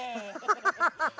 ハハハハハ。